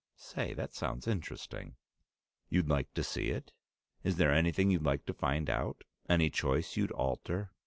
"Say, that sounds interesting!" "You'd like to see it? Is there anything you'd like to find out? Any choice you'd alter?"